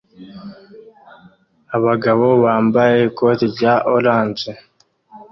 Abagabo bambaye ikoti rya orange